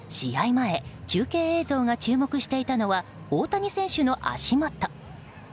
前、中継映像が注目していたのは大谷選手の足元。